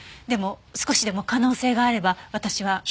でも少しでも可能性があれば私は。